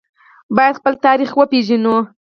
باید خپل تاریخ وپیژنو